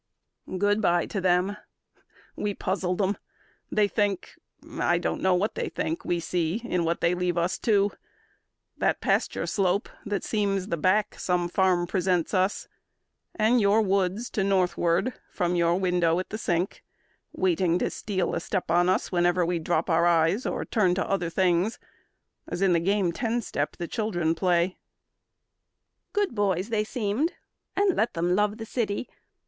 "Goodby to them! We puzzle them. They think I don't know what they think we see in what They leave us to: that pasture slope that seems The back some farm presents us; and your woods To northward from your window at the sink, Waiting to steal a step on us whenever We drop our eyes or turn to other things, As in the game 'Ten step' the children play." "Good boys they seemed, and let them love the city.